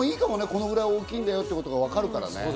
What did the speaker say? これぐらい大きいんだよっていうことがわかるからね。